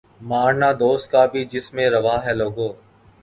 مارنا دوست کا بھی جس میں روا ہے لوگو